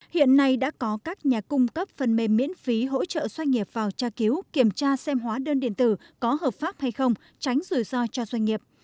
hiện nay đã có các nhà cung cấp phần mềm miễn phí hỗ trợ doanh nghiệp vào tra cứu kiểm tra xem hóa đơn điện tử có hợp pháp hay không tránh rủi ro cho doanh nghiệp